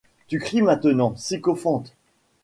Tu cries maintenant, sycophante !